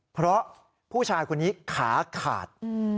เพราะผู้ชายคนนี้ขาขาด